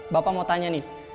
bapak mau tanya nih